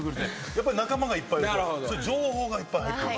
やっぱり仲間がいっぱいいると情報がいっぱい入ってくる。